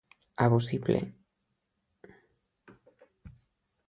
A bocí ple.